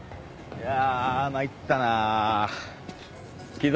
いや。